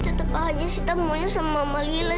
tapi tetap aja sita maunya sama mama lila